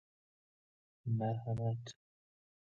مرحمة ً